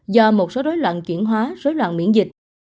do một số rối loạn chuyển hóa rối loạn miễn dịch